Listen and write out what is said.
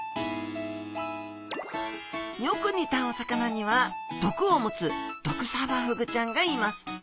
よく似たお魚には毒を持つドクサバフグちゃんがいます。